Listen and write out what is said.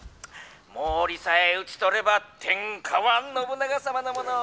「毛利さえ討ち取れば天下は信長様のもの！